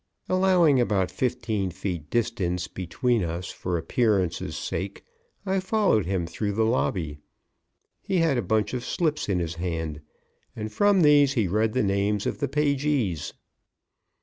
Allowing about fifteen feet distance between us for appearance's sake, I followed him through the lobby. He had a bunch of slips in his hand and from these he read the names of the pagees.